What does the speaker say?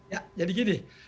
ya jadi gini